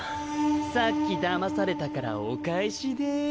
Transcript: さっき騙されたからお返しでーす。